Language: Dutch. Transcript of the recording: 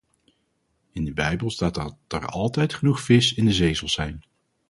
In de bijbel staat dat er altijd genoeg vis in de zee zal zijn.